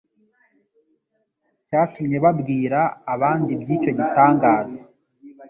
cyatumye babwira abandi iby'icyo gitangaza.